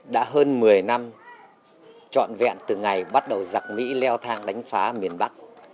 đã hơn một mươi năm trọn vẹn từ ngày bắt đầu giặc mỹ leo thang đánh phá miền bắc